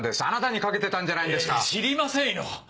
あなたにかけてたんじゃないですか⁉知りませんよ！